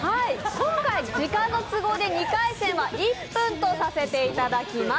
今回、時間の都合で２回戦は１分とさせていただきます。